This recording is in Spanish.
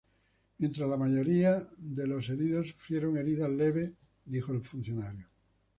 Mientras, la mayoría de los heridos sufrieron heridas leves, dijo el funcionario.